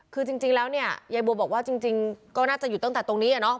คือจริงแล้วเนี่ยยายบัวบอกว่าจริงก็น่าจะอยู่ตั้งแต่ตรงนี้